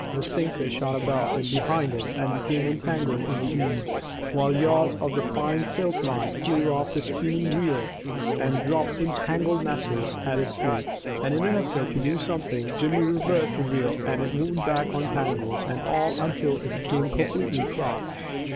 The sinker shot above and behind him and became entangled in the eaves, while yards of the fine silk line flew off the spinning reel and dropped in tangled masses at his feet, and in an effort to do something Jimmy reversed the reel and it wound back on tangles and all until it became completely clogged.